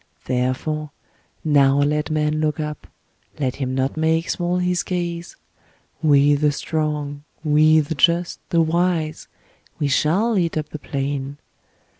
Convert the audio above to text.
Therefore, now let man look up, let him not make small his gaze. We the strong, we the just, the wise, we shall eat up the plain.